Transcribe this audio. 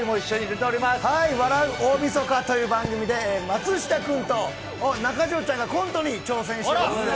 笑う大晦日という番組で、松下君と中条ちゃんがコントに挑戦しております。